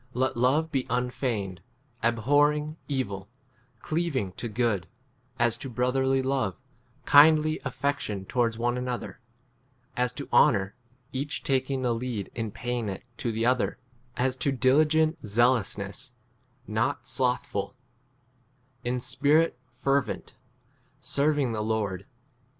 Let love be unfeigned ; abhorring evil ; cleav 10 ing to good : as to brotherly love, kindly affectioned towards one another : as to honour, each taking the lead in paying it 1 to the other : 11 as to diligent zealousness, not slothful ; in spirit fervent ; serving 13 the Lord.